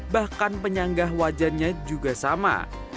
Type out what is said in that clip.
bahkan penyanggah wajannya juga sama